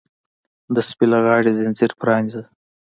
د سپي له غاړې ځنځیر پرانیزه!